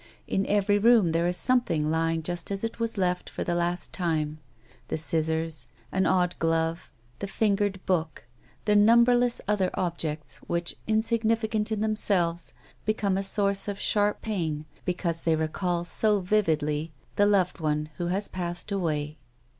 In every room there is something lying just as it was left for the last time ; the scissors, an odd glove, tlio fingered book, the numberless other objects, which, insignificant in themselves, become a source of sharp pain because they recall so vividly the loved one who has passed away.